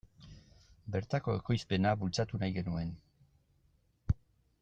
Bertako ekoizpena bultzatu nahi genuen.